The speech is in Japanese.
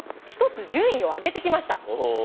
１つ順位を上げてきました。